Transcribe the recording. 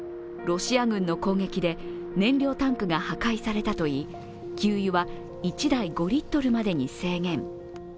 ロシア軍の攻撃で、燃料タンクが破壊されたといい給油は１台５リットルまでに制限。